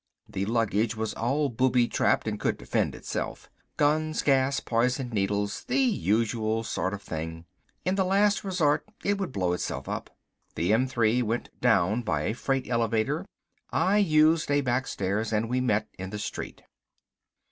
The luggage was all booby trapped and could defend itself. Guns, gas, poison needles, the usual sort of thing. In the last resort it would blow itself up. The M 3 went down by a freight elevator. I used a back stairs and we met in the street.